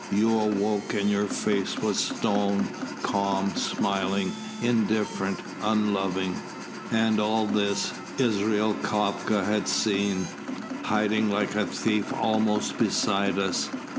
You awoke, and your face was stone, calm, smiling, indifferent, unloving. And all this Israel Kafka had seen, hiding like a thief almost beside us.